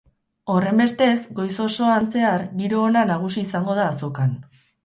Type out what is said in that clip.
Horrenbestez, goiz osoan zehar giro ona nagusi izango da azokan.